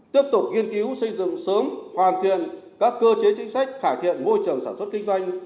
tiếp tục nghiên cứu xây dựng sớm hoàn thiện các cơ chế chính sách khải thiện môi trường sản xuất kinh doanh